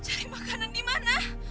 cari makanan dimana